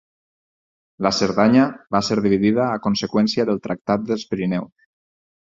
La Cerdanya va ser dividida a conseqüència del Tractat dels Pirineus.